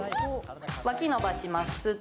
脇を伸ばします。